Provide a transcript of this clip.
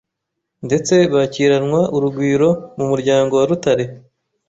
ndetse bakiranwa urugwiro mu muryango wa Rutare